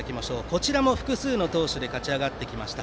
こちらも複数の投手で勝ち上がってきました。